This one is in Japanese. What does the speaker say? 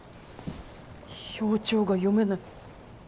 表情が読めない。